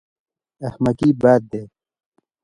احمقي بد دی.